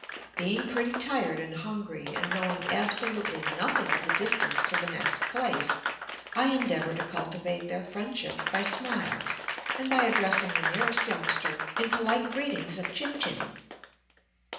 Being pretty tired and hungry, and knowing absolutely nothing of the distance to the next place, I endeavor to cultivate their friendship by smiles, and by addressing the nearest youngster in polite greetings of "chin chin."